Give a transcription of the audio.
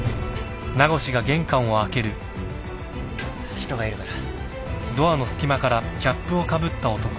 ・人がいるから。